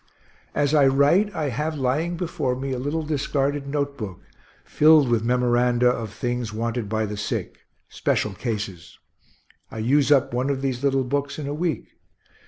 As I write, I have lying before me a little discarded note book, filled with memoranda of things wanted by the sick special cases. I use up one of these little books in a week.